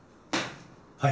はい。